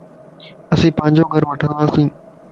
اسين پانجو گھر وٺندياسين